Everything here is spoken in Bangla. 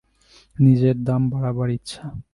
নিজের দাম বাড়াবার ইচ্ছা।